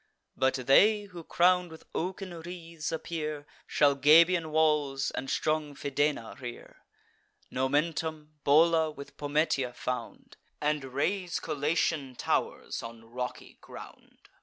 But they, who crown'd with oaken wreaths appear, Shall Gabian walls and strong Fidena rear; Nomentum, Bola, with Pometia, found; And raise Collatian tow'rs on rocky ground.